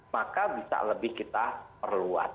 maka bisa lebih kita perluas